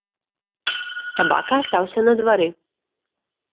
Сабака астаўся на двары.